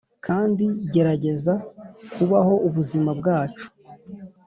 kandi gerageza kubaho ubuzima bwacu